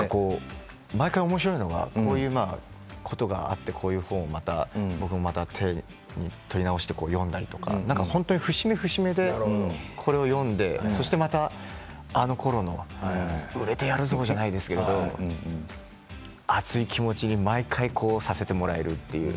毎回おもしろいのがこういうことがあってこういう本が、また手に取り直して読んだり本当に節目節目でこれを読んでまた、あのころの売れてやるぞじゃないですけれど熱い気持ちに、毎回させてもらえるという。